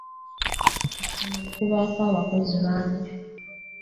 Ku ssomero kubaako abakozi bangi.